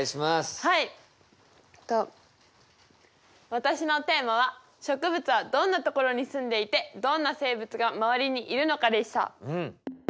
私のテーマは「植物はどんなところに住んでいてどんな生物が周りにいるのか」でした。